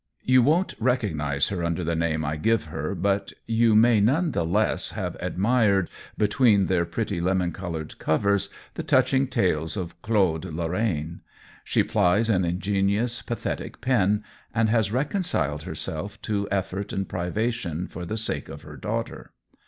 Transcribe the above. You won't recognize her under the name I give her, but you may none the less have I08 COLLABORATION admired, between their pretty lemon colored covers, the touching tales of Claude Lor rain. She plies an ingenious, pathetic pen, and has reconciled herself to eifort and privation for the sake of her daughter.